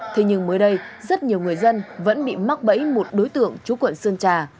thế nhưng mới đây rất nhiều người dân vẫn bị mắc bẫy một đối tượng chú quận sơn trà